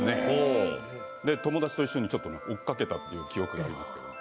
友達と一緒に追っかけたという記憶があります。